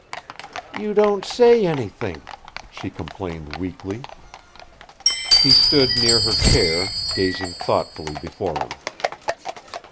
"You don't say anything!" she complained weakly. He stood near her chair, gazing thoughtfully before him.